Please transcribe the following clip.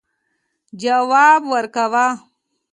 جواب ورکاوه.